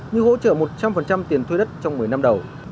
như hỗ trợ một trăm linh tiền thuê đất trong một mươi năm đầu